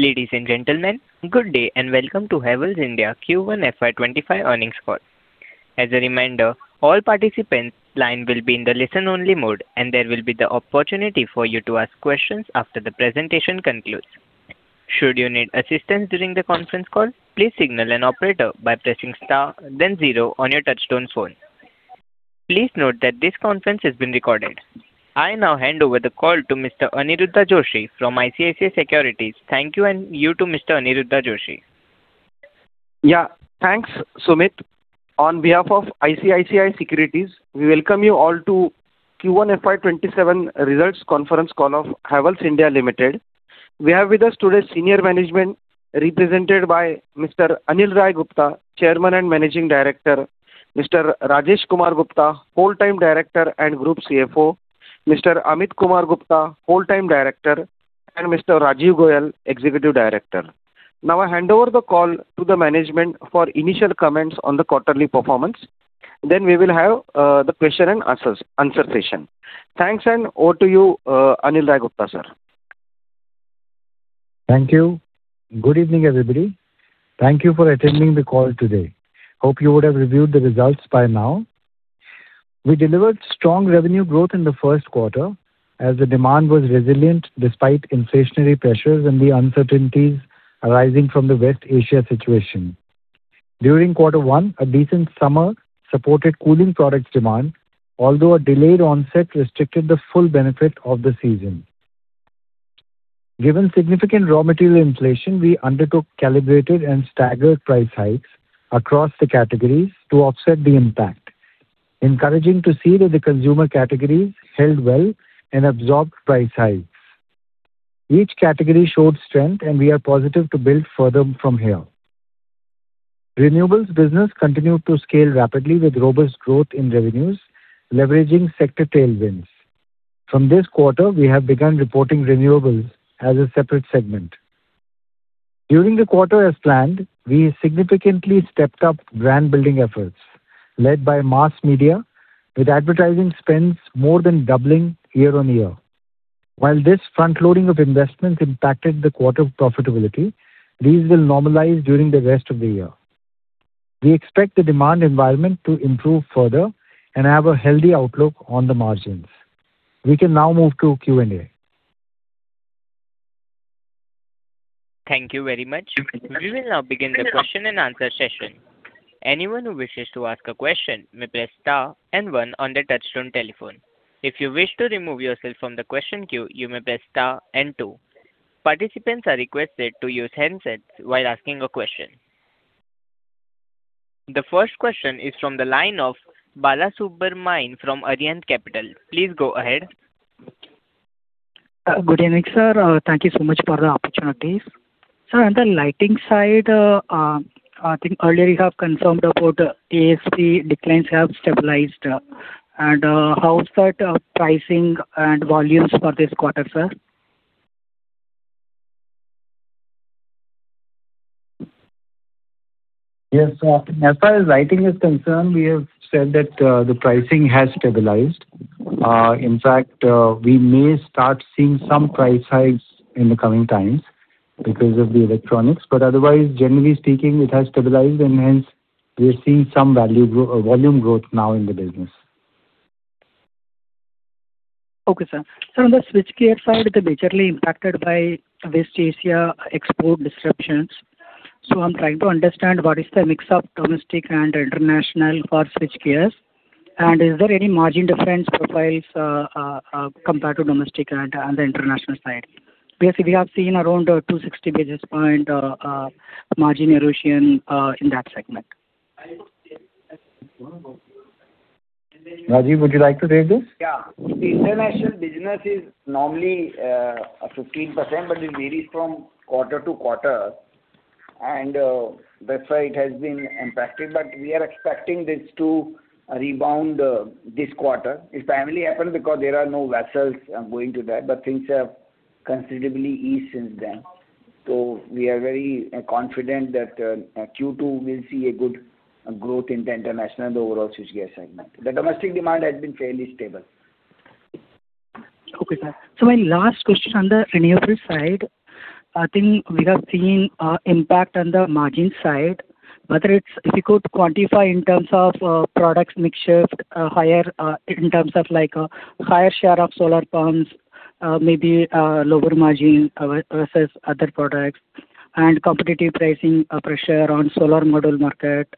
Ladies and gentlemen, good day and welcome to Havells India Q1 FY 2025 Earnings Call. As a reminder, all participants line will be in the listen only mode, and there will be the opportunity for you to ask questions after the presentation concludes. Should you need assistance during the conference call, please signal an operator by pressing star then zero on your touchtone phone. Please note that this conference has been recorded. I now hand over the call to Mr. Aniruddha Joshi from ICICI Securities. Thank you, and you too, Mr. Aniruddha Joshi. Thanks, Sumit. On behalf of ICICI Securities, we welcome you all to Q1 FY 2027 results conference call of Havells India Limited. We have with us today senior management represented by Mr. Anil Rai Gupta, Chairman and Managing Director, Mr. Rajesh Kumar Gupta, Whole Time Director and Group CFO, Mr. Ameet Kumar Gupta, Whole Time Director, and Mr. Rajiv Goel, Executive Director. Now I hand over the call to the management for initial comments on the quarterly performance. We will have the question and answer session. Thanks, and over to you, Anil Rai Gupta, sir. Thank you. Good evening, everybody. Thank you for attending the call today. Hope you would have reviewed the results by now. We delivered strong revenue growth in the first quarter as the demand was resilient despite inflationary pressures and the uncertainties arising from the West Asia situation. During quarter one, a decent summer supported cooling products demand, although a delayed onset restricted the full benefit of the season. Given significant raw material inflation, we undertook calibrated and staggered price hikes across the categories to offset the impact. Encouraging to see that the consumer categories held well and absorbed price hikes. Each category showed strength, and we are positive to build further from here. Renewables Business continued to scale rapidly with robust growth in revenues, leveraging sector tailwinds. From this quarter, we have begun reporting Renewables as a separate segment. During the quarter as planned, we significantly stepped up brand-building efforts led by mass media with advertising spends more than doubling year-over-year. While this frontloading of investments impacted the quarter profitability, these will normalize during the rest of the year. We expect the demand environment to improve further and have a healthy outlook on the margins. We can now move to Q&A. Thank you very much. We will now begin the question and answer session. Anyone who wishes to ask a question may press star and one on their touchtone telephone. If you wish to remove yourself from the question queue, you may press star and two. Participants are requested to use handsets while asking a question. The first question is from the line of Balasubramanian from Arihant Capital. Please go ahead. Good evening, sir. Thank you so much for the opportunity. Sir, on the lighting side, I think earlier you have confirmed about ASP declines have stabilized. How is that pricing and volumes for this quarter, sir? Yes. As far as lighting is concerned, we have said that the pricing has stabilized. In fact, we may start seeing some price hikes in the coming times because of the electronics. Otherwise, generally speaking, it has stabilized and hence we are seeing some volume growth now in the business. Okay, sir. Sir, on the switchgear side, majorly impacted by West Asia export disruptions. I'm trying to understand what is the mix of domestic and international for Switchgears, and is there any margin difference profiles compared to domestic and the international side? We have seen around 260 basis point margin erosion in that segment. Rajiv, would you like to take this? Yeah. The international business is normally 15% but it will very from quarter to quarter. That's why it has been impacted. We are expecting this to rebound this quarter. It primarily happened because there are no vessels going to there, things have considerably eased since then. We are very confident that Q2 will see a good growth in the international and the overall switchgear segment. The domestic demand has been fairly stable. Okay, sir. My last question on the renewables side. I think we have seen impact on the margin side, whether if you could quantify in terms of products mix shift higher in terms of higher share of solar pumps, maybe lower margin versus other products and competitive pricing pressure on solar module market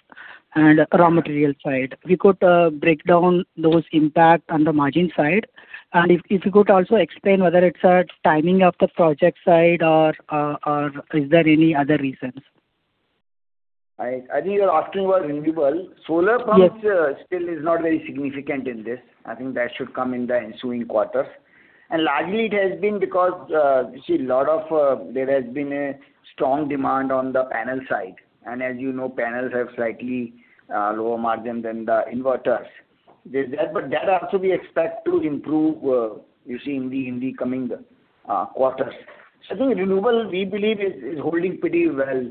and raw material side. We could break down those impact on the margin side. If you could also explain whether it's timing of the project side or is there any other reasons? I think you're asking about renewable. Still is not very significant in this. I think that should come in the ensuing quarters. Largely it has been because there has been a strong demand on the panel side. As you know, panels have slightly lower margin than the inverters. That also we expect to improve in the coming quarters. I think renewable, we believe, is holding pretty well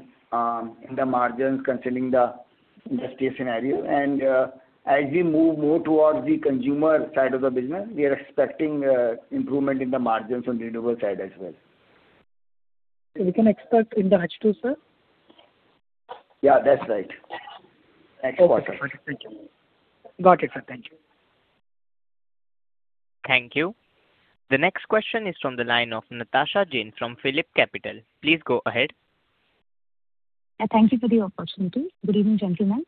in the margins considering the industry scenario. As we move more towards the consumer side of the business, we are expecting improvement in the margins on renewable side as well. We can expect in the H2, sir? Yeah, that's right. Next quarter. Okay. Got it, sir. Thank you. Thank you. The next question is from the line of Natasha Jain from PhillipCapital. Please go ahead. Thank you for the opportunity. Good evening, gentlemen.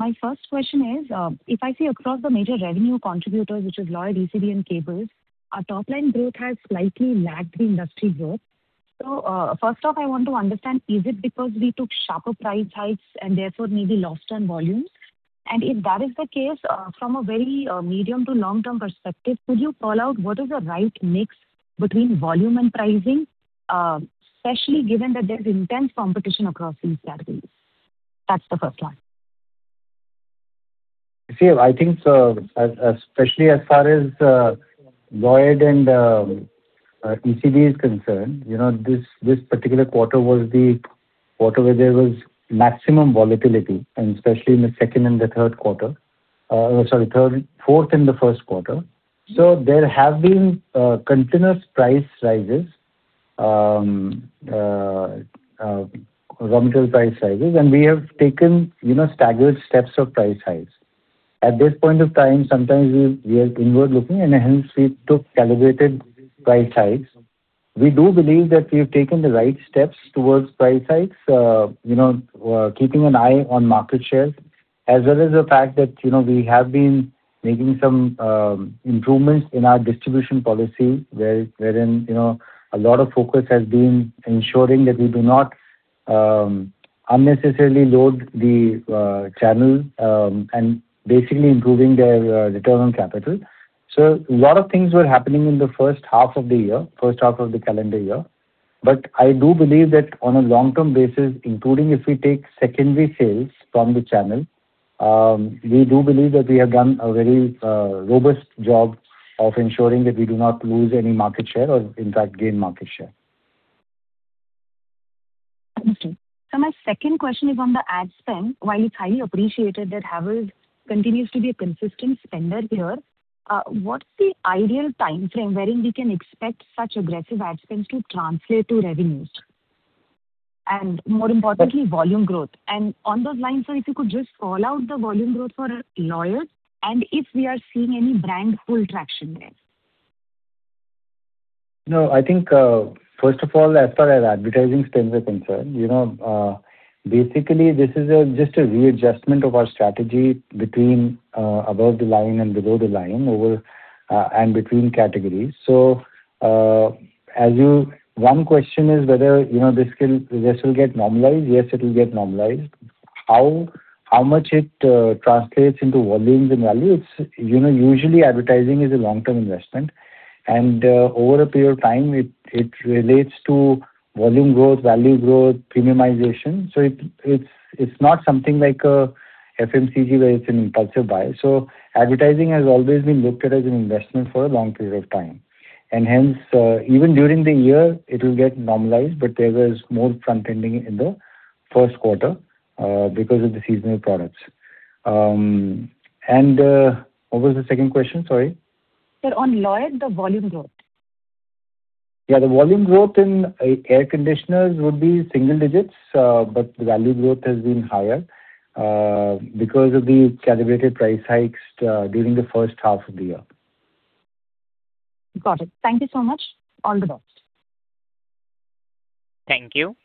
My first question is, if I see across the major revenue contributors, which is Lloyd, ECD and cables, our top-line growth has slightly lagged the industry growth. First off, I want to understand, is it because we took sharper price hikes and therefore maybe lost on volumes? If that is the case, from a very medium to long-term perspective, could you call out what is the right mix between volume and pricing, especially given that there's intense competition across these categories? That's the first one. See, I think especially as far as Lloyd and ECD is concerned, this particular quarter was the quarter where there was maximum volatility, especially in the second and the third quarter. Sorry, fourth and the first quarter. There have been continuous price rises, raw material price rises, we have taken staggered steps of price hikes. At this point of time, sometimes we are inward-looking, hence we took calibrated price hikes. We do believe that we've taken the right steps towards price hikes, keeping an eye on market shares, as well as the fact that we have been making some improvements in our distribution policy, wherein a lot of focus has been ensuring that we do not unnecessarily load the channel, basically improving their return on capital. A lot of things were happening in the first half of the year, first half of the calendar year. I do believe that on a long-term basis, including if we take secondary sales from the channel, we do believe that we have done a very robust job of ensuring that we do not lose any market share or in fact gain market share. Understood. My second question is on the ad spend. While it's highly appreciated that Havells continues to be a consistent spender here, what's the ideal timeframe wherein we can expect such aggressive ad spends to translate to revenues, and more importantly, volume growth? On those lines, sir, if you could just call out the volume growth for Lloyd, and if we are seeing any brand pull traction there. No, I think, first of all, as far as advertising spends are concerned, basically this is just a readjustment of our strategy between above the line and below the line, and between categories. One question is whether this will get normalized. Yes, it will get normalized. How much it translates into volumes and value, usually advertising is a long-term investment, and over a period of time, it relates to volume growth, value growth, premiumization. It's not something like a FMCG where it's an impulsive buy. Advertising has always been looked at as an investment for a long period of time. Hence, even during the year, it will get normalized, but there was more front-ending in the first quarter because of the seasonal products. What was the second question? Sorry. Sir, on Lloyd, the volume growth. Yeah, the volume growth in air conditioners would be single digits, the value growth has been higher because of the calibrated price hikes during the first half of the year. Got it. Thank you so much. All the best. Thank you.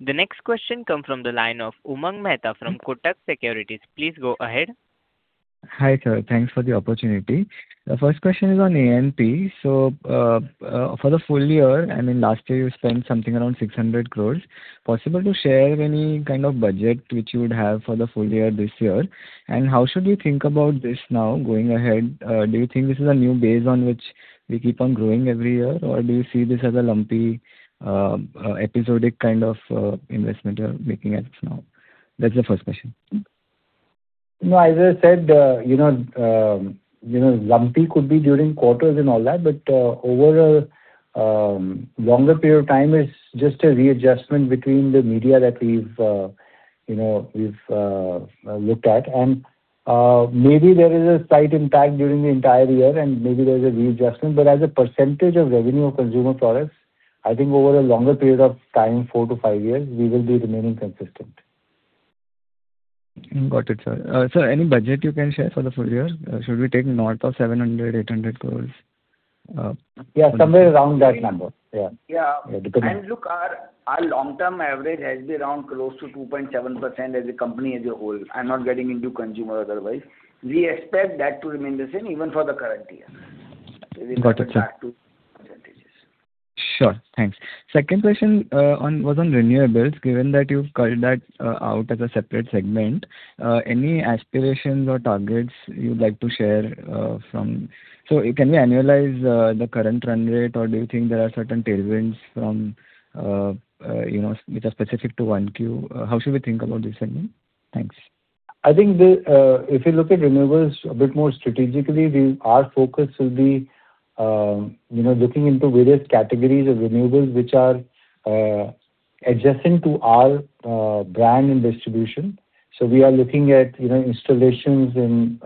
The next question comes from the line of Umang Mehta from Kotak Securities. Please go ahead. Hi, sir. Thanks for the opportunity. The first question is on A&P. For the full year, I mean, last year you spent something around 600 crore. Possible to share any kind of budget which you would have for the full year this year? How should we think about this now going ahead? Do you think this is a new base on which we keep on growing every year? Do you see this as a lumpy, episodic kind of investment you're making as of now? That's the first question. No, as I said, lumpy could be during quarters and all that, but over a longer period of time, it's just a readjustment between the media that we've looked at. Maybe there is a slight impact during the entire year, and maybe there's a readjustment, but as a percentage of revenue of consumer products, I think over a longer period of time, four to five years, we will be remaining consistent. Got it, sir. Sir, any budget you can share for the full year? Should we take north of 700 crore, 800 crore? Yeah, somewhere around that number. Yeah. Look, our long-term average has been around close to 2.7% as a company as a whole. I'm not getting into consumer otherwise. We expect that to remain the same even for the current year. Got it, sir. We expect that to percentages. Sure. Thanks. Second question was on renewables, given that you've called that out as a separate segment, any aspirations or targets you'd like to share from. Can we annualize the current run rate, or do you think there are certain tailwinds which are specific to 1Q? How should we think about this segment? Thanks. I think if you look at renewables a bit more strategically, our focus will be looking into various categories of renewables which are adjacent to our brand and distribution. We are looking at installations in,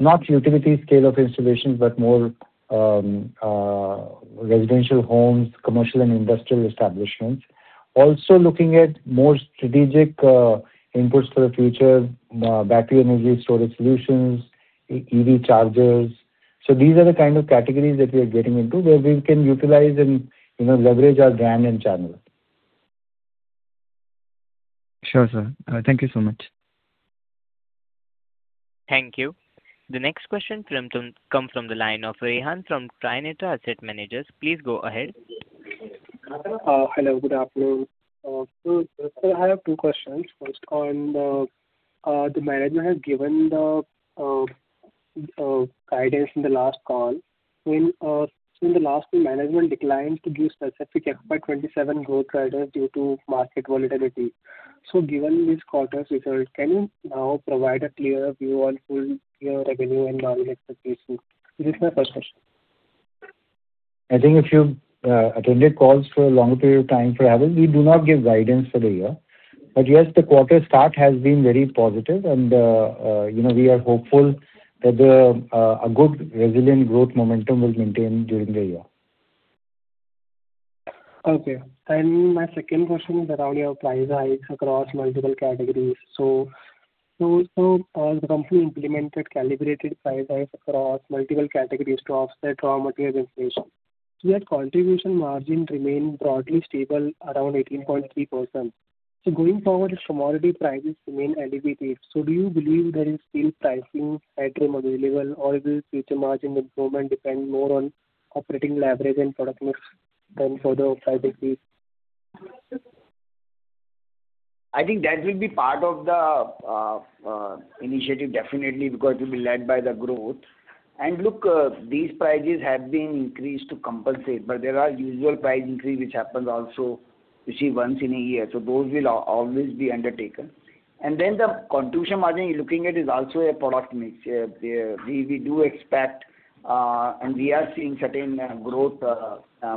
not utility scale of installations, but more residential homes, commercial and industrial establishments. Also looking at more strategic inputs for the future, battery energy storage solutions, EV chargers. These are the kind of categories that we are getting into, where we can utilize and leverage our brand and channel. Sure, sir. Thank you so much. Thank you. The next question come from the line of Rehan from Trinetra Asset Managers. Please go ahead. Hello, good afternoon. Sir, I have two questions. First on the management has given the guidance in the last call. In the last two management declines to give specific FY 2027 growth guidance due to market volatility. Given this quarter's result, can you now provide a clear view on full year revenue and margin expectations? This is my first question. I think if you've attended calls for a long period of time for Havells, we do not give guidance for the year. Yes, the quarter start has been very positive and we are hopeful that a good resilient growth momentum will maintain during the year. My second question is around your price hikes across multiple categories. The company implemented calibrated price hikes across multiple categories to offset raw material inflation. Yet contribution margin remained broadly stable around 18.3%. Going forward, commodity prices remain elevated. Do you believe there is still pricing headroom available, or will future margin improvement depend more on operating leverage and product mix than further price increases? I think that will be part of the initiative definitely because it will be led by the growth. Look, these prices have been increased to compensate, but there are usual price increase, which happens also, you see once in a year. Those will always be undertaken. Then the contribution margin you're looking at is also a product mix. We do expect, and we are seeing certain growth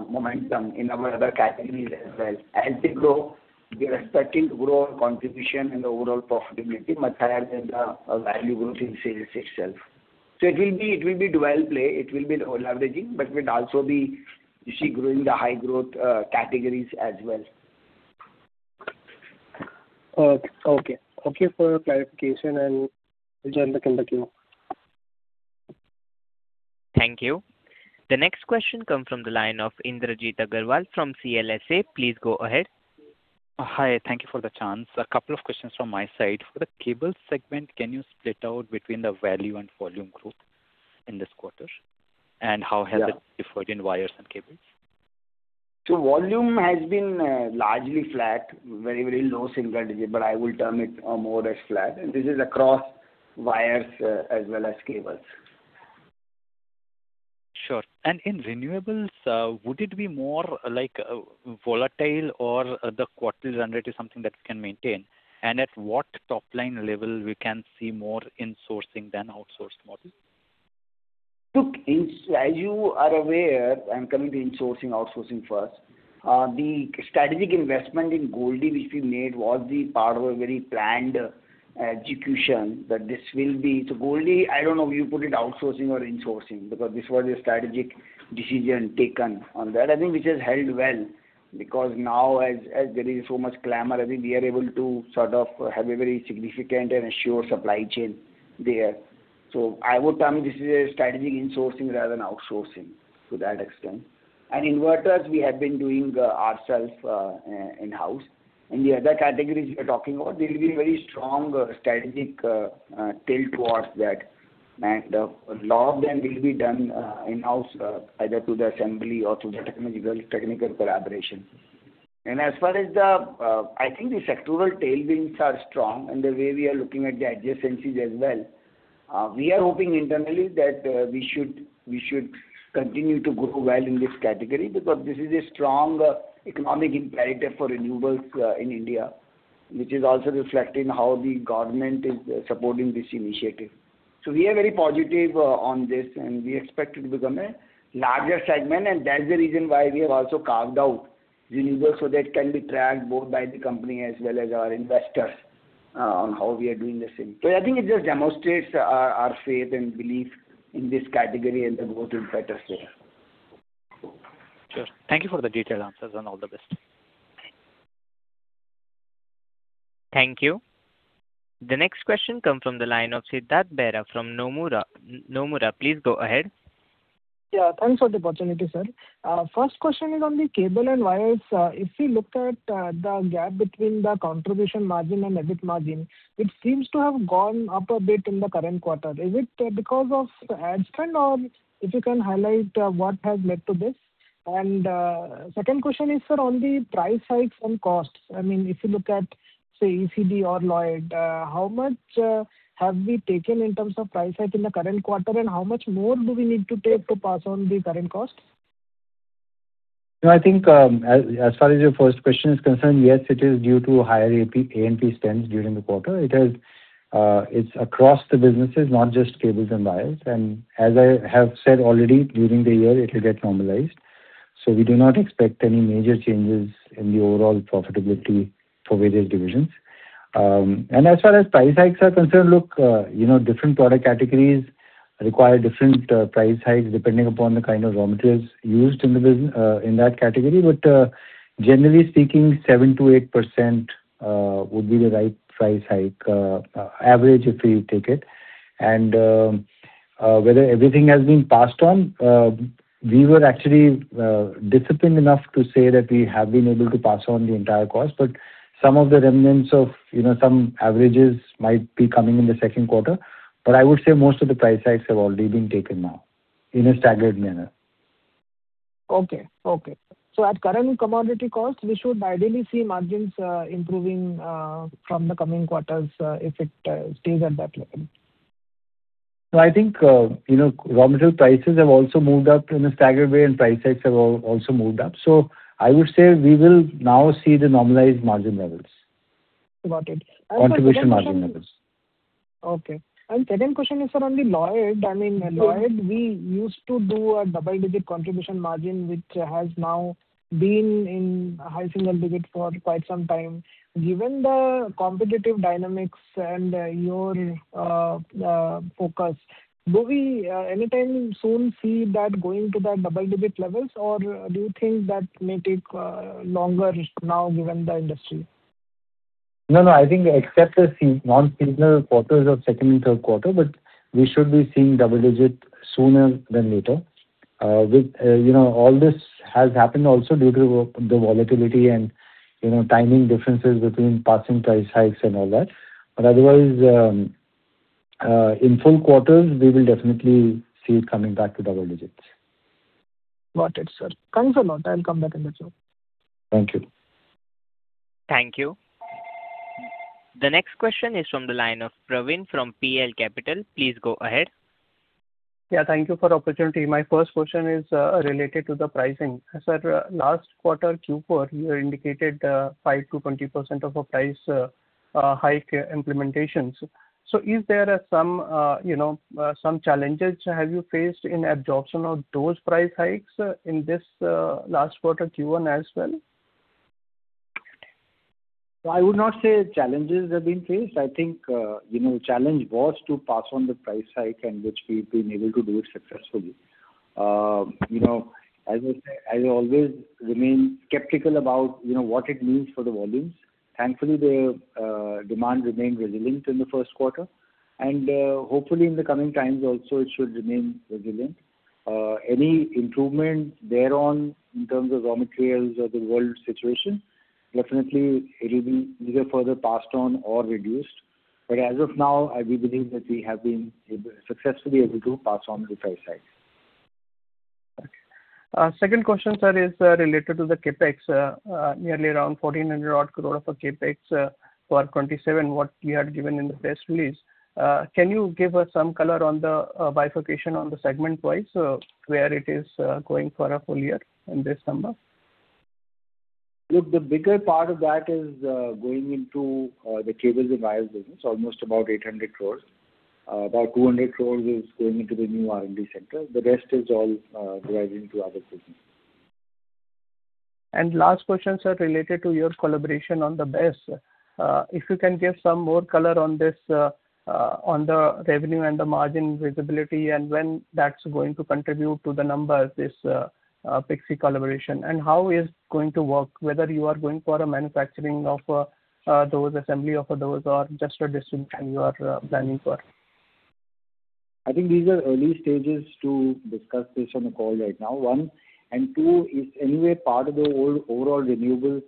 momentum in our other categories as well. As they grow, we are expecting to grow our contribution and the overall profitability much higher than the value growth in sales itself. It will be dual play. It will be the whole leveraging, but we'd also be growing the high growth categories as well. Okay. Thank you for your clarification, and I'll join the next queue. Thank you. The next question come from the line of Indrajit Agarwal from CLSA. Please go ahead. Hi, thank you for the chance. A couple of questions from my side. For the cable segment, can you split out between the value and volume growth in this quarter? How has it differed in wires and cables? Volume has been largely flat, very, very low single digit, but I will term it more as flat, and this is across wires as well as cables. Sure. In renewables, would it be more volatile or the quarter run rate is something that we can maintain? At what top-line level we can see more insourcing than outsourced model? Look, as you are aware, I'm coming to insourcing, outsourcing first. The strategic investment in Goldi which we made was the part of a very planned execution that. Goldi, I don't know if you put it outsourcing or insourcing because this was a strategic decision taken on that, I think which has held well because now as there is so much glamour, I think we are able to sort of have a very significant and assured supply chain there. I would term this as a strategic insourcing rather than outsourcing to that extent. Inverters we have been doing ourself in-house. The other categories we are talking about, there will be very strong strategic tilt towards that. A lot of them will be done in-house either through the assembly or through the technical collaboration. As far as the, I think the sectoral tailwinds are strong and the way we are looking at the adjacencies as well. We are hoping internally that we should continue to grow well in this category because this is a strong economic imperative for renewables in India, which is also reflecting how the government is supporting this initiative. We are very positive on this, and we expect it to become a larger segment, and that's the reason why we have also carved out renewables so that it can be tracked both by the company as well as our investors on how we are doing this. I think it just demonstrates our faith and belief in this category and the growth in factors there. Sure. Thank you for the detailed answers and all the best. Thank you. The next question come from the line of Siddhartha Bera from Nomura. Please go ahead. Thanks for the opportunity, sir. First question is on the cable and wires. If we look at the gap between the contribution margin and EBIT margin, it seems to have gone up a bit in the current quarter. Is it because of ad spend or if you can highlight what has led to this? Second question is, sir, on the price hikes and costs. If you look at, say, ECD or Lloyd, how much have we taken in terms of price hike in the current quarter, and how much more do we need to take to pass on the current costs? I think as far as your first question is concerned, yes, it is due to higher A&P spends during the quarter. It's across the businesses, not just cables and wires. As I have said already, during the year, it will get normalized. We do not expect any major changes in the overall profitability for various divisions. As far as price hikes are concerned, look, different product categories require different price hikes depending upon the kind of raw materials used in that category. Generally speaking, 7%-8% would be the right price hike average if you take it. Whether everything has been passed on, we were actually disciplined enough to say that we have been able to pass on the entire cost, but some of the remnants of some averages might be coming in the second quarter. I would say most of the price hikes have already been taken now in a staggered manner. Okay. At current commodity costs, we should ideally see margins improving from the coming quarters, if it stays at that level. No, I think raw material prices have also moved up in a staggered way, and price hikes have also moved up. I would say we will now see the normalized margin levels. Got it. Contribution margin levels. Okay. second question is, sir, on the Lloyd. I mean, Lloyd, we used to do a double-digit contribution margin, which has now been in high single-digit for quite some time. Given the competitive dynamics and your focus, do we anytime soon see that going to the double-digit levels, or do you think that may take longer now given the industry? No, I think except the non-seasonal quarters of second and third quarter, but we should be seeing double-digit sooner than later. All this has happened also due to the volatility and timing differences between passing price hikes and all that. Otherwise, in full quarters, we will definitely see it coming back to double digits. Got it, sir. Thanks a lot. I'll come back in the queue. Thank you. Thank you. The next question is from the line of Praveen from PL Capital. Please go ahead. Yeah, thank you for the opportunity. My first question is related to the pricing. Sir, last quarter, Q4, you indicated 5%-20% of a price hike implementations. Is there some challenges have you faced in adoption of those price hikes in this last quarter Q1 as well? I would not say challenges have been faced. I think challenge was to pass on the price hike and which we've been able to do it successfully. As I say, I always remain skeptical about what it means for the volumes. Thankfully, the demand remained resilient in the first quarter, and hopefully in the coming times also, it should remain resilient. Any improvement there on in terms of raw materials or the world situation, definitely it will be either further passed on or reduced. As of now, we believe that we have been successfully able to pass on the price hike. Okay. Second question, sir, is related to the CapEx, nearly around 1,400 crore odd of a CapEx for 2027, what we had given in the press release. Can you give us some color on the bifurcation on the segment-wise, where it is going for a full year in this number? The bigger part of that is going into the cables and wires business, almost about 800 crore. About 200 crore is going into the new R&D center. The rest is all driving to other business. Last question, sir, related to your collaboration on the BESS. If you can give some more color on the revenue and the margin visibility and when that's going to contribute to the numbers, this Pixii collaboration. How is going to work, whether you are going for a manufacturing of those assembly, of those, or just a distribution you are planning for? I think these are early stages to discuss this on the call right now, one, and two, it's anyway part of the overall renewables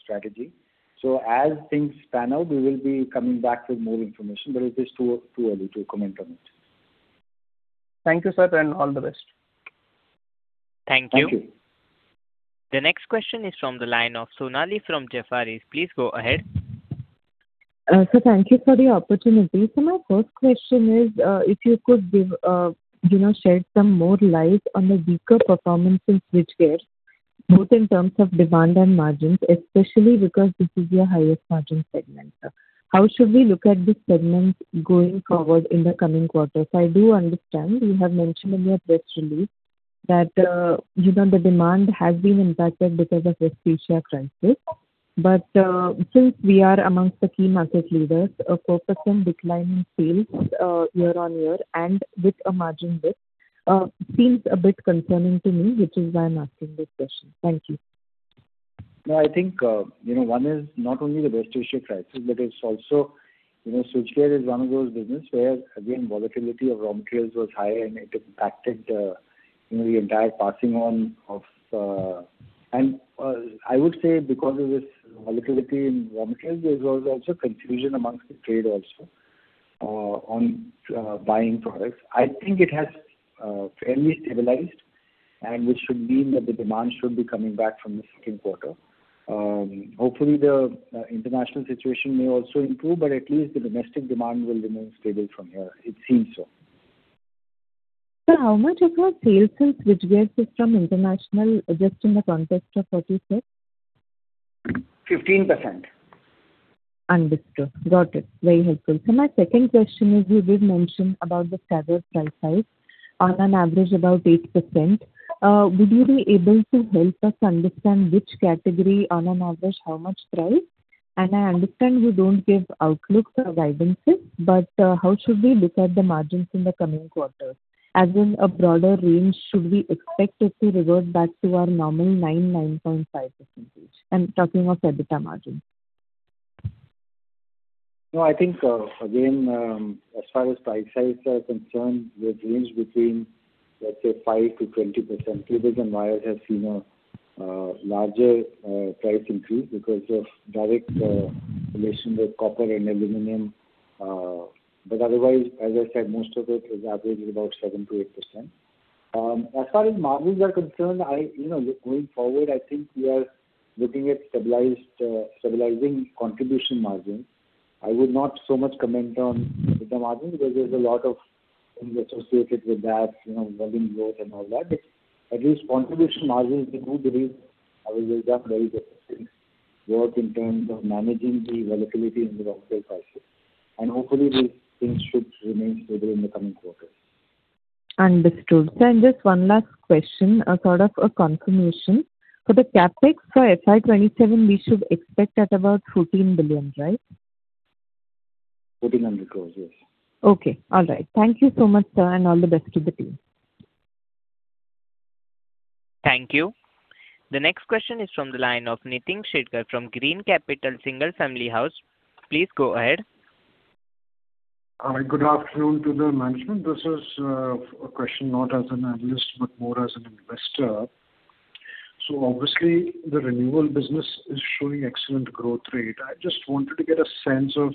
strategy. As things pan out, we will be coming back with more information, but it is too early to comment on it. Thank you, sir, and all the best. Thank you. Thank you. The next question is from the line of Sonali from Jefferies. Please go ahead. Sir, thank you for the opportunity. My first question is if you could shed some more light on the weaker performance in Switchgear, both in terms of demand and margins, especially because this is your highest margin segment. How should we look at this segment going forward in the coming quarters? I do understand you have mentioned in your press release that the demand has been impacted because of West Asia crisis. Since we are amongst the key market leaders, a 4% decline in sales year-on-year and with a margin dip seems a bit concerning to me, which is why I'm asking this question. Thank you. No, I think one is not only the West Asia crisis, but it's also Switchgear is one of those business where, again, volatility of raw materials was high, and it impacted the entire passing on of. I would say because of this volatility in raw materials, there was also confusion amongst the trade also on buying products. I think it has fairly stabilized, which should mean that the demand should be coming back from the second quarter. Hopefully, the international situation may also improve, but at least the domestic demand will remain stable from here. It seems so. Sir, how much is our sales since Switchgears is from international, just in the context of what you said? 15%. Understood. Got it. Very helpful. Sir, my second question is, you did mention about the category price size on an average about 8%. Would you be able to help us understand which category on an average, how much price? I understand you don't give outlooks or guidances, but how should we look at the margins in the coming quarters? As in a broader range, should we expect it to revert back to our normal 9%-9.5%? I'm talking of EBITDA margin. No, I think, again, as far as price sizes are concerned, we have ranged between, let's say, 5%-20%. Cables and wires have seen a larger price increase because of direct relation with copper and aluminum. Otherwise, as I said, most of it is averaging about 7%-8%. As far as margins are concerned, going forward, I think we are looking at stabilizing contribution margin. I would not so much comment on EBITDA margin because there's a lot of things associated with that, volume growth and all that. At least contribution margins, we do believe, have done very good work in terms of managing the volatility in the raw material prices. Hopefully these things should remain stable in the coming quarters. Understood. Sir, just one last question, sort of a confirmation. For the CapEx for FY 2027, we should expect at about 14 billion, right? 1,400 crores, yes. Okay. All right. Thank you so much, sir, and all the best to the team. Thank you. The next question is from the line of Nitin Shakdher from Green Capital Single Family Office. Please go ahead. Hi, good afternoon to the management. This is a question not as an analyst, but more as an investor. Obviously, the renewal business is showing excellent growth rate. I just wanted to get a sense of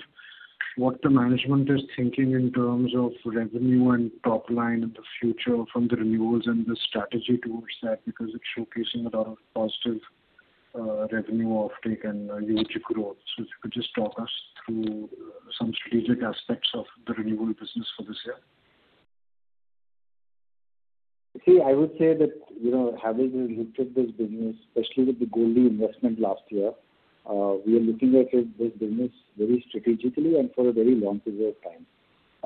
what the management is thinking in terms of revenue and top line in the future from the renewals and the strategy towards that, because it's showcasing a lot of positive revenue offtake and huge growth. If you could just talk us through some strategic aspects of the renewal business for this year. See, I would say that having looked at this business, especially with the Goldi investment last year, we are looking at this business very strategically and for a very long period of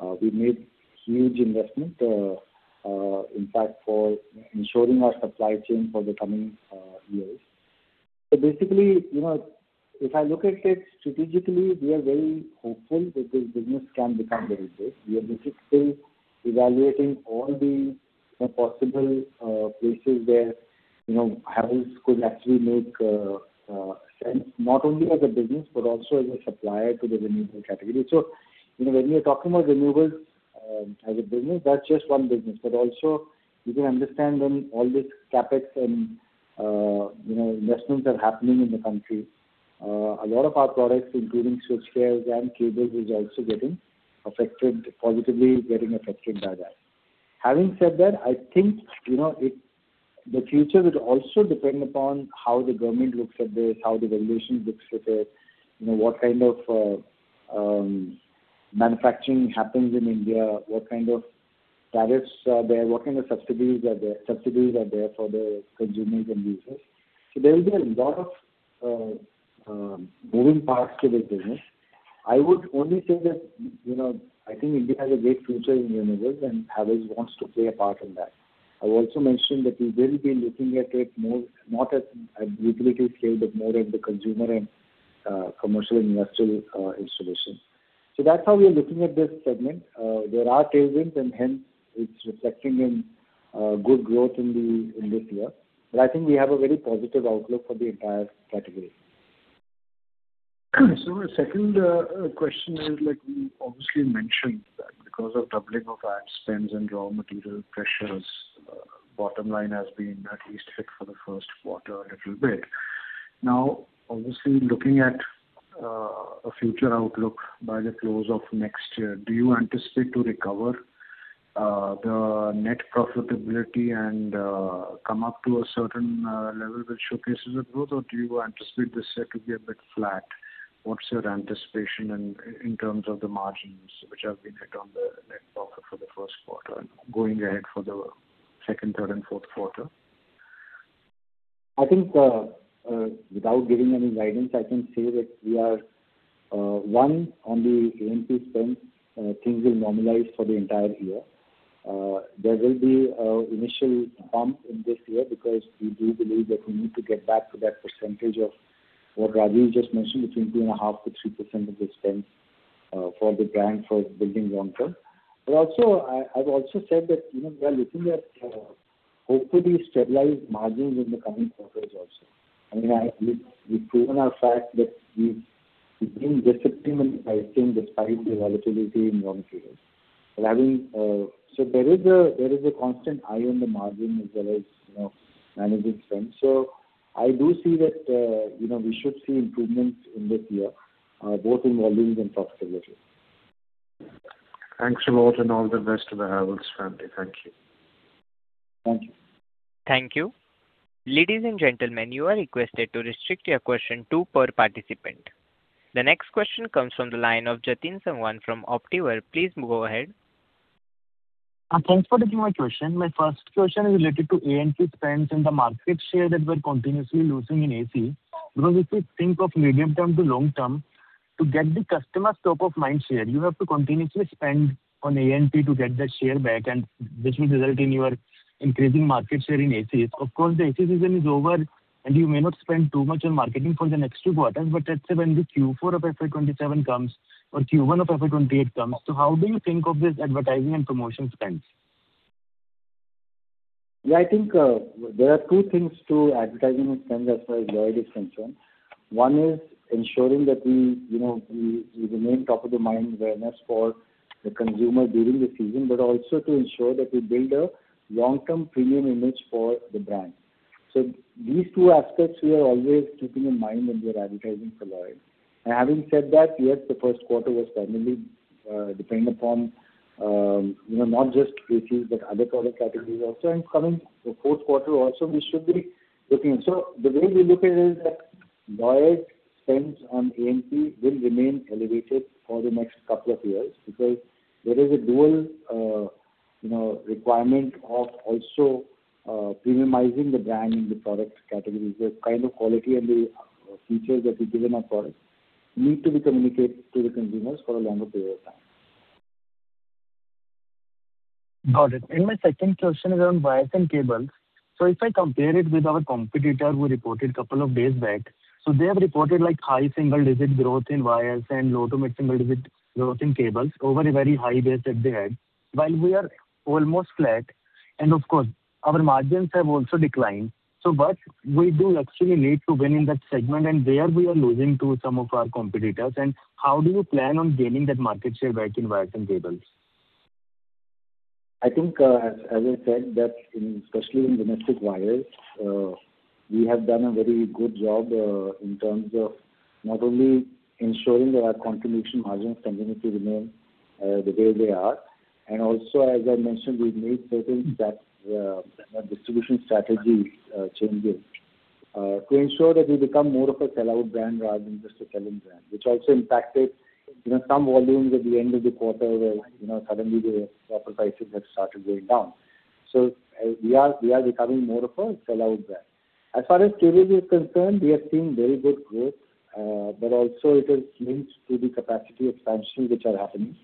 time. We made huge investment, in fact, for ensuring our supply chain for the coming years. Basically, if I look at it strategically, we are very hopeful that this business can become very big. We are basically evaluating all the possible places where Havells could actually make sense, not only as a business, but also as a supplier to the renewable category. When we are talking about renewables as a business, that's just one business. Also you can understand when all this CapEx and investments are happening in the country, a lot of our products, including Switchgears and Cables, is also positively getting affected by that. Having said that, I think, the future will also depend upon how the government looks at this, how the regulations looks at it, what kind of manufacturing happens in India, what kind of tariffs are there, what kind of subsidies are there for the consumers and users. There will be a lot of moving parts to this business. I would only say that, I think India has a great future in renewables, and Havells wants to play a part in that. I also mentioned that we will be looking at it not at a utility scale, but more at the consumer and commercial industrial installation. That's how we are looking at this segment. There are tailwinds, and hence it's reflecting in good growth in this year. I think we have a very positive outlook for the entire category. The second question is, you obviously mentioned that because of doubling of ad spends and raw material pressures, bottom line has been at least hit for the first quarter a little bit. Obviously, looking at a future outlook by the close of next year, do you anticipate to recover the net profitability and come up to a certain level that showcases a growth, or do you anticipate this year to be a bit flat? What's your anticipation in terms of the margins which have been hit on the net profit for the first quarter and going ahead for the second, third, and fourth quarter? I think, without giving any guidance, I can say that we are, one, on the A&P spend, things will normalize for the entire year. There will be initial bump in this year because we do believe that we need to get back to that percentage of what Raju just mentioned, between 2.5%-3% of the spend for the brand for building long term. I've also said that, we are looking at hopefully stabilized margins in the coming quarters also. I mean, we've proven our fact that we've been disciplined in pricing despite the volatility in raw materials. There is a constant eye on the margin as well as managing spend. I do see that we should see improvements in this year, both in volumes and profitability. Thanks a lot, all the best to the Havells family. Thank you. Thank you. Thank you. Ladies and gentlemen, you are requested to restrict your question two per participant. The next question comes from the line of Jatin Sangwan from Optiver. Please go ahead. Thanks for taking my question. My first question is related to A&P spends and the market share that we're continuously losing in AC. Because if you think of medium-term to long-term, to get the customer top of mind share, you have to continuously spend on A&P to get that share back, and this will result in your increasing market share in AC. Of course, the AC season is over, and you may not spend too much on marketing for the next two quarters, but let's say when the Q4 of FY 2027 comes or Q1 of FY 2028 comes, how do you think of this advertising and promotion spends? I think there are two things to advertising spends as far as Lloyd is concerned. One is ensuring that we remain top of the mind awareness for the consumer during the season, but also to ensure that we build a long-term premium image for the brand. These two aspects we are always keeping in mind when we are advertising for Lloyd. Having said that, yes, the first quarter was primarily dependent upon not just ACs but other product categories also. Coming to fourth quarter also, we should be looking. The way we look at it is that Lloyd spends on A&P will remain elevated for the next couple of years because there is a dual requirement of also premiumizing the brand in the product categories. The kind of quality and the features that we give in our products need to be communicated to the consumers for a longer period of time. Got it. My second question is on wires and cables. If I compare it with our competitor who reported a couple of days back. They have reported high single-digit growth in wires and low-to-mid single-digit growth in cables over a very high base that they had while we are almost flat. Of course, our margins have also declined. We do actually need to win in that segment, and there we are losing to some of our competitors. How do you plan on gaining that market share back in wires and cables? I think, as I said, that especially in domestic wires, we have done a very good job in terms of not only ensuring that our contribution margins continue to remain the way they are. Also, as I mentioned, we've made certain that our distribution strategy changes to ensure that we become more of a sellout brand rather than just a sell-in brand, which also impacted some volumes at the end of the quarter where suddenly the prices have started going down. We are becoming more of a sellout brand. As far as cables is concerned, we are seeing very good growth, but also it is linked to the capacity expansion which are happening.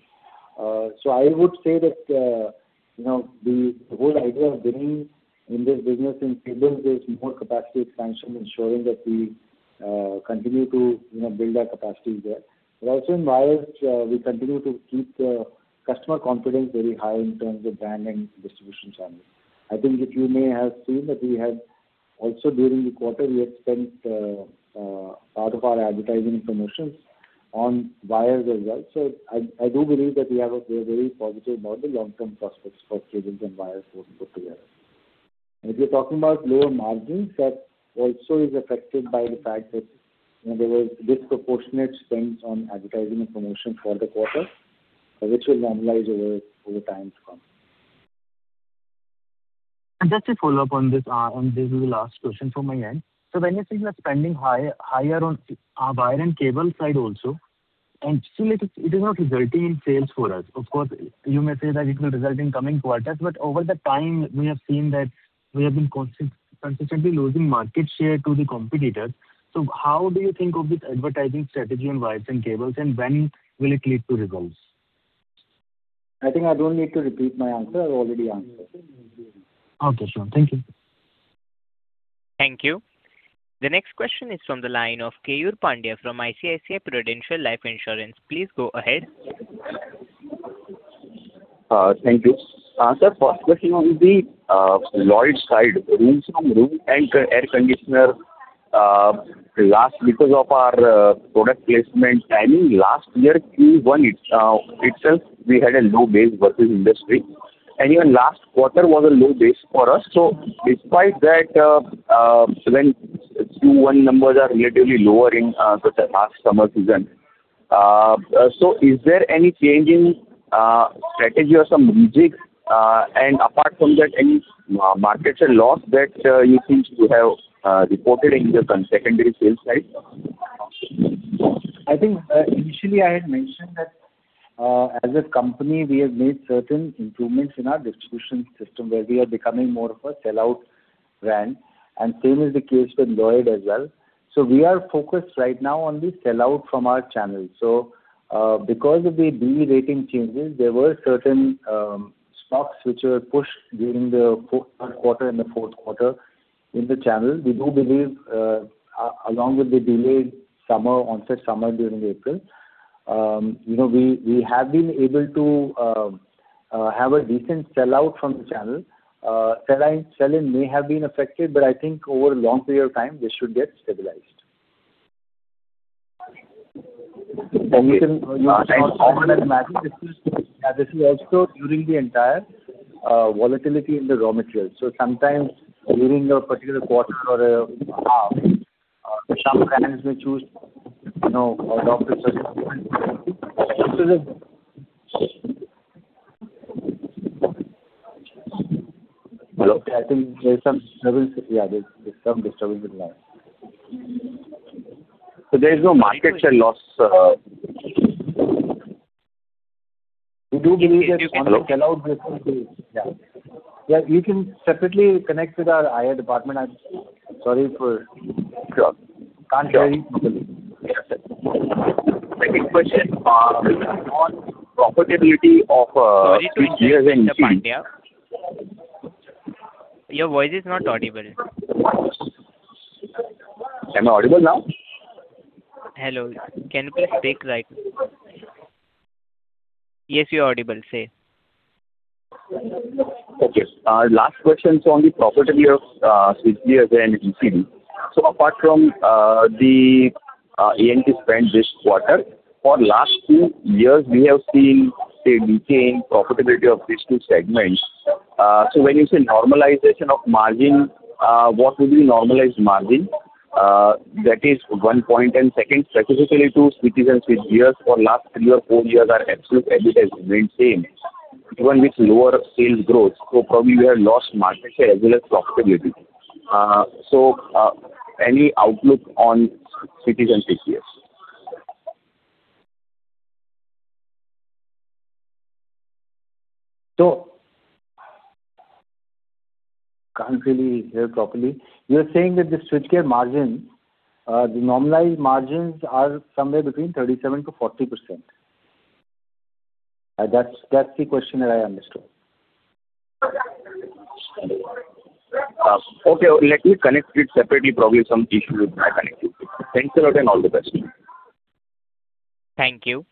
I would say that the whole idea of winning in this business in cables is more capacity expansion, ensuring that we continue to build our capacity there. Also in wires, we continue to keep customer confidence very high in terms of brand and distribution channels. I think that you may have seen that we had also during the quarter, we had spent part of our advertising promotions on wires as well. I do believe that we have a very positive model, long-term prospects for cables and wires put together. If you're talking about lower margins, that also is affected by the fact that there was disproportionate spends on advertising and promotion for the quarter, which will normalize over time to come. Just a follow-up on this, and this is the last question from my end. When you say you are spending higher on wire and cable side also, and still it is not resulting in sales for us. Of course, you may say that it will result in coming quarters, but over the time, we have seen that we have been consistently losing market share to the competitors. How do you think of this advertising strategy in wires and cables, and when will it lead to results? I think I don't need to repeat my answer. I've already answered. Okay, sure. Thank you. Thank you. The next question is from the line of Keyur Pandya from ICICI Prudential Life Insurance. Please go ahead. Thank you. Sir, first question on the Lloyd side, room air conditioners. Because of our product placement timing last year, Q1 itself, we had a low base versus industry, and even last quarter was a low base for us. Despite that, when Q1 numbers are relatively lower in the last summer season. Is there any change in strategy or some moves? Apart from that, any market share loss that you think you have reported in your consecutive sales side? I think initially I had mentioned that as a company, we have made certain improvements in our distribution system where we are becoming more of a sellout brand, and same is the case with Lloyd as well. We are focused right now on the sellout from our channel. Because of the BEE rating changes, there were certain stocks which were pushed during the third quarter and the fourth quarter in the channel. We do believe along with the delayed onset summer during April, we have been able to have a decent sellout from the channel. Sell-in may have been affected, but I think over a long period of time, this should get stabilized. Okay. We can use as a measure. This is also during the entire volatility in the raw materials. Sometimes during a particular quarter or a half. Some clients may choose, you know, a different. Hello? I think there's some disturbance. Yeah, there's some disturbance with line. There is no market share loss. We do believe that allowed this to Yeah. You can separately connect with our IR department. I'm sorry for-- Sure. Can't hear you. Second question, on profitability of. Sorry to interrupt, Mr. Pandya. Your voice is not audible. Am I audible now? Hello. Can you please speak? Yes, you're audible. Say. Okay. Last question is on the profitability of switchgear and ECD. Apart from the A&P spend this quarter, for last two years, we have seen a decaying profitability of these two segments. When you say normalization of margin, what will be normalized margin? That is one point. Second, specifically to switches and Switchgears, for last three or four years, our absolute EBIT has remained same, even with lower sales growth. Probably we have lost market share as well as profitability. Any outlook on switches and Switchgears? Can't really hear properly. You're saying that the switchgear margin, the normalized margins are somewhere between 37%-40%. That's the question that I understood. Okay. Let me connect it separately. Probably some issue with my connectivity. Thanks a lot and all the best. Thank you.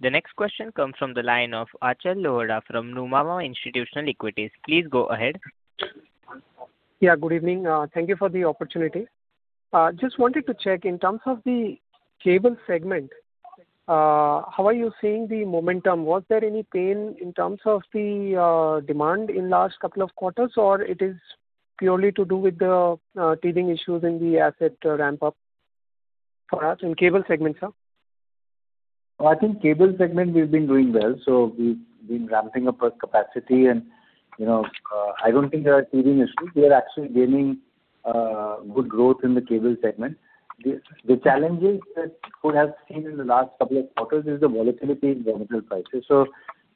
The next question comes from the line of Achal Lohade from Nuvama Institutional Equities. Please go ahead. Yeah, good evening. Thank you for the opportunity. Just wanted to check, in terms of the cable segment, how are you seeing the momentum? Was there any pain in terms of the demand in last couple of quarters, or it is purely to do with the teething issues in the asset ramp-up for us in cable segment, sir? I think cable segment we've been doing well. We've been ramping up our capacity and I don't think there are teething issues. We are actually gaining good growth in the cable segment. The challenges that could have seen in the last couple of quarters is the volatility in raw material prices.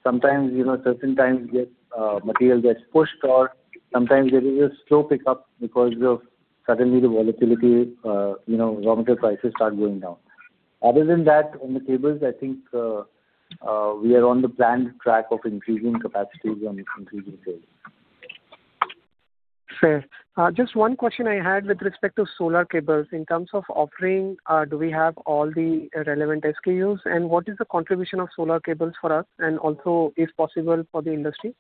Sometimes, certain times material gets pushed or sometimes there is a slow pickup because of suddenly the volatility, raw material prices start going down. Other than that, on the cables, I think, we are on the planned track of increasing capacities and increasing sales. Fair. Just one question I had with respect to solar cables. In terms of offering, do we have all the relevant SKUs and what is the contribution of solar cables for us and also, if possible, for the industry?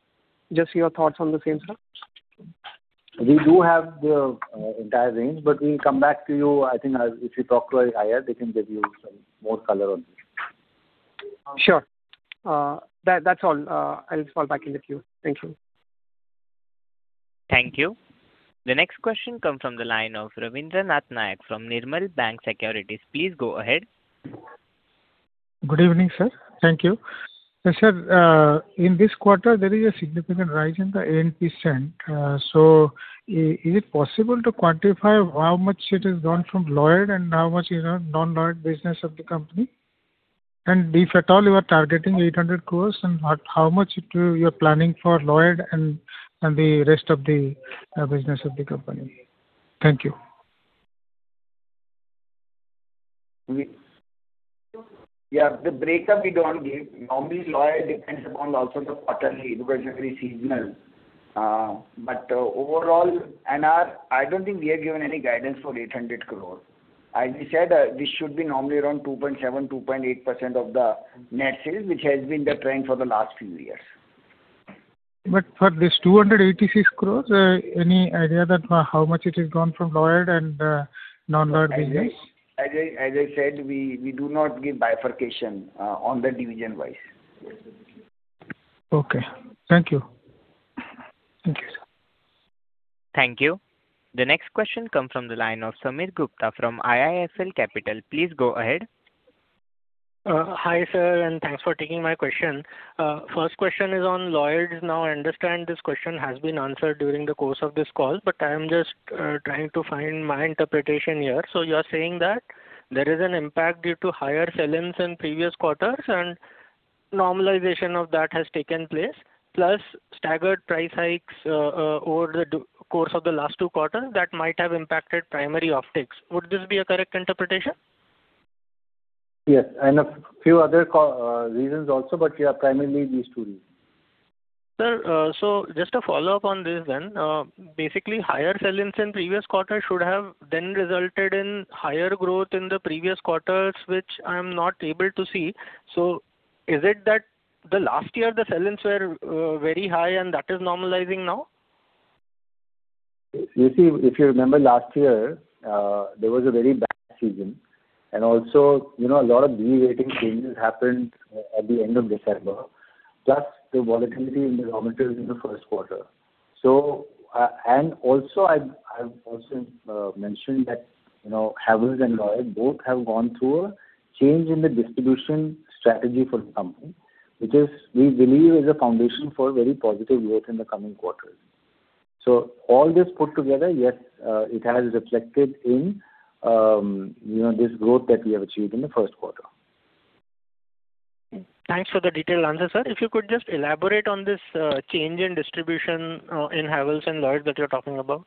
Just your thoughts on the same, sir. We do have the entire range. We'll come back to you. I think if you talk to our IR, they can give you some more color on this. Sure. That's all. I'll fall back in the queue. Thank you. Thank you. The next question comes from the line of Rabindra Nath Nayak from Nirmal Bang Securities. Please go ahead. Good evening, sir. Thank you. Sir, in this quarter, there is a significant rise in the A&P spend. Is it possible to quantify how much it has gone from Lloyd and how much non-Lloyd business of the company? If at all you are targeting 800 crore and how much you are planning for Lloyd and the rest of the business of the company. Thank you. Yeah, the breakup we don't give. Normally, Lloyd depends upon also the quarterly because it's very seasonal. Overall, NR, I don't think we have given any guidance for 800 crore. As we said, this should be normally around 2.7%, 2.8% of the net sales, which has been the trend for the last few years. For this 286 crore, any idea that how much it has gone from Lloyd and non-Lloyd business? As I said, we do not give bifurcation on the division-wise. Okay. Thank you. Thank you, sir. Thank you. The next question comes from the line of Sameer Gupta from IIFL Capital. Please go ahead. Hi, sir, and thanks for taking my question. First question is on Lloyd. I understand this question has been answered during the course of this call, I'm just trying to find my interpretation here. You are saying that there is an impact due to higher sell-ins in previous quarters and normalization of that has taken place, plus staggered price hikes over the course of the last two quarters that might have impacted primary offtake. Would this be a correct interpretation? Yes, a few other reasons also, primarily these two reasons. Sir, just a follow-up on this. Basically, higher sell-ins in previous quarters should have then resulted in higher growth in the previous quarters, which I'm not able to see. Is it that the last year the sell-ins were very high and that is normalizing now? You see, if you remember last year, there was a very bad season. A lot of de-rating changes happened at the end of December, plus the volatility in the raw materials in the first quarter. I've also mentioned that Havells and Lloyd both have gone through a change in the distribution strategy for the company, which we believe is a foundation for very positive growth in the coming quarters. All this put together, yes, it has reflected in this growth that we have achieved in the first quarter. Thanks for the detailed answer, sir. If you could just elaborate on this change in distribution in Havells and Lloyd that you're talking about.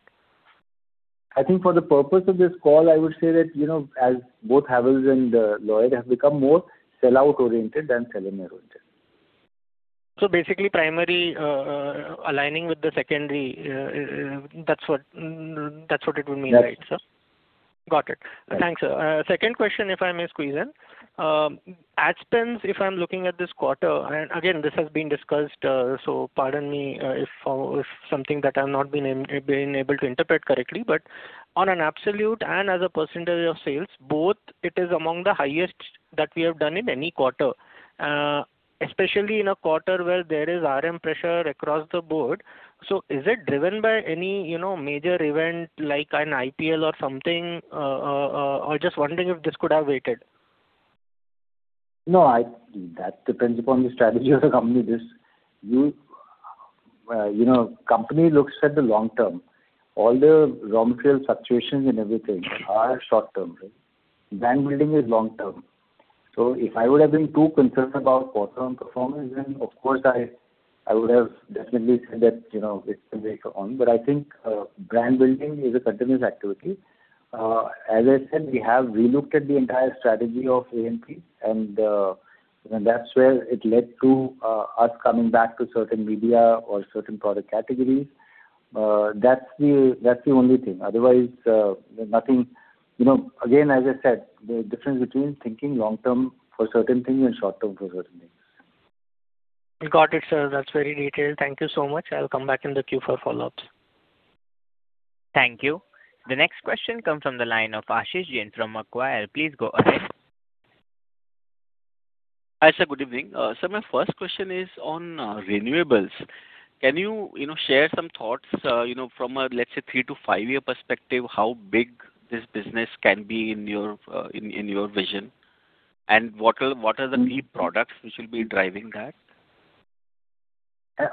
I think for the purpose of this call, I would say that, as both Havells and Lloyd have become more sell-out oriented than sell-in oriented. Basically primary aligning with the secondary, that's what it would mean, right, sir? Yes. Got it. Thanks. Second question, if I may squeeze in. Ad spends, if I'm looking at this quarter, and again, this has been discussed, pardon me if something that I've not been able to interpret correctly, but on an absolute and as a percentage of sales, both, it is among the highest that we have done in any quarter. Especially in a quarter where there is RM pressure across the board. Is it driven by any major event like an IPL or something? Just wondering if this could have waited. That depends upon the strategy of the company. Company looks at the long term. All the raw material fluctuations and everything are short term. Brand building is long term. If I would have been too concerned about quarter on performance, then of course, I would have definitely said that, it can wait on. I think brand building is a continuous activity. As I said, we have relooked at the entire strategy of A&P, and that's where it led to us coming back to certain media or certain product categories. That's the only thing. Otherwise, nothing. As I said, the difference between thinking long term for certain things and short term for certain things. Got it, sir. That's very detailed. Thank you so much. I'll come back in the queue for follow-ups. Thank you. The next question comes from the line of Ashish Jain from Macquarie. Please go ahead. Hi, sir. Good evening. Sir, my first question is on renewables. Can you share some thoughts, from a, let's say, three to five-year perspective, how big this business can be in your vision? What are the key products which will be driving that?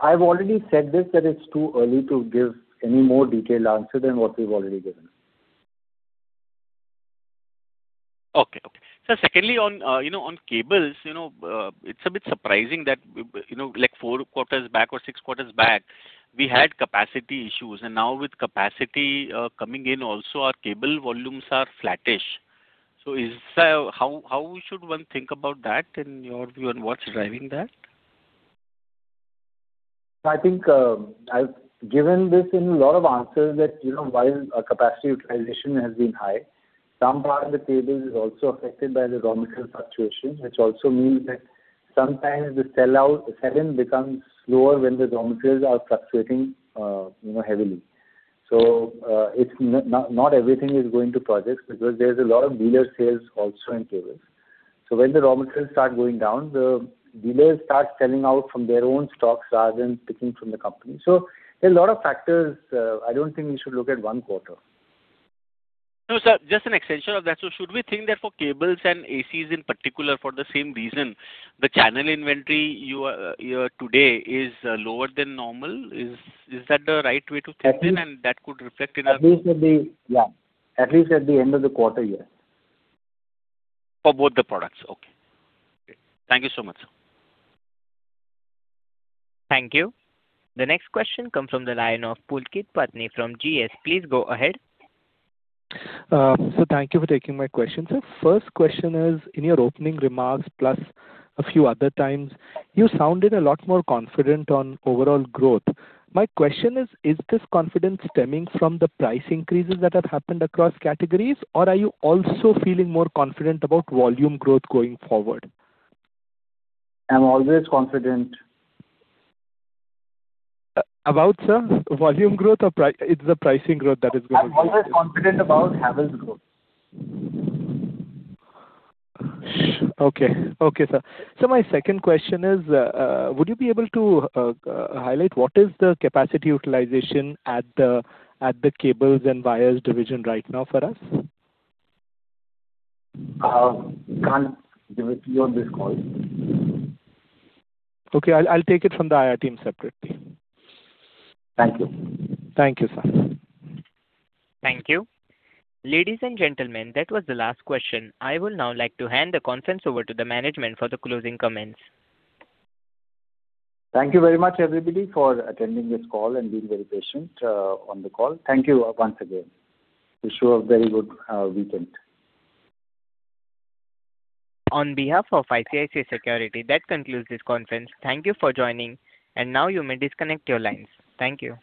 I've already said this, that it's too early to give any more detailed answer than what we've already given. Okay. Sir, secondly, on cables, it's a bit surprising that, like four quarters back or six quarters back, we had capacity issues, now with capacity coming in also, our cable volumes are flattish. How should one think about that in your view, what's driving that? I think I've given this in a lot of answers that, while our capacity utilization has been high, some part of the cable is also affected by the raw material fluctuation, which also means that sometimes the sell-out suddenly becomes slower when the raw materials are fluctuating heavily. Not everything is going to projects because there's a lot of dealer sales also in cables. When the raw materials start going down, the dealers start selling out from their own stocks rather than picking from the company. There are a lot of factors. I don't think we should look at one quarter. No, sir. Just an extension of that. Should we think that for cables and ACs in particular, for the same reason, the channel inventory today is lower than normal? Is that the right way to think then? Yeah. At least at the end of the quarter, yes. For both the products. Okay. Great. Thank you so much, sir. Thank you. The next question comes from the line of Pulkit Patni from GS. Please go ahead. Sir, thank you for taking my question. Sir, first question is, in your opening remarks plus a few other times, you sounded a lot more confident on overall growth. My question is this confidence stemming from the price increases that have happened across categories, or are you also feeling more confident about volume growth going forward? I'm always confident. About, sir? Volume growth or price--Is it the pricing growth? I'm always confident about Havells' growth. Okay, sir. My second question is, would you be able to highlight what is the capacity utilization at the cables and wires division right now for us? I can't give it to you on this call. Okay. I'll take it from the IR team separately. Thank you. Thank you, sir. Thank you. Ladies and gentlemen, that was the last question. I will now like to hand the conference over to the management for the closing comments. Thank you very much everybody for attending this call and being very patient on the call. Thank you once again. Wish you a very good weekend. On behalf of ICICI Securities, that concludes this conference. Thank you for joining, and now you may disconnect your lines. Thank you